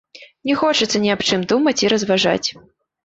Не хочацца ні аб чым думаць і разважаць.